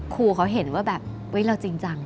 ครูเขาเห็นว่าแบบเราจริงจัง